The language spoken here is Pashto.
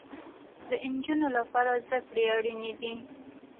د انجونو لپاره زده کړې اړينې دي